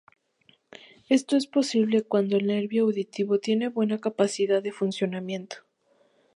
Esto es posible cuando el nervio auditivo tiene buena capacidad de funcionamiento.